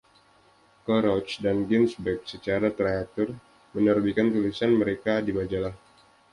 Kerouac dan Ginsberg secara teratur menerbitkan tulisan mereka di majalah.